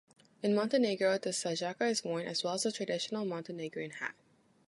In Montenegro, the šajkača is worn, as well as the traditional Montenegrin hat.